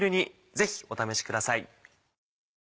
ぜひお試しください。